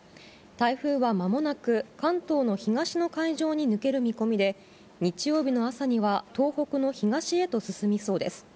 台風はまもなく関東の東の海上に抜ける見込みで、日曜日の朝には東北の東へと進みそうです。